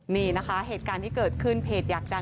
นี่นะคะเหตุการณ์ที่เกิดขึ้นเพจอยากดัง